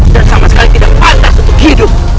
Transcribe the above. dan sama sekali tidak pantas untuk hidup